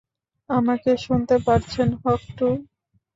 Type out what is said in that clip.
আমাকে শুনতে পারছেন, হক-টু?